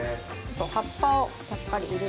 葉っぱをやっぱり入れて。